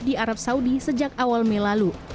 di arab saudi sejak awal mei lalu